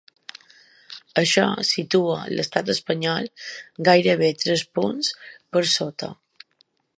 Això situa l’estat espanyol gairebé tres punts per sota.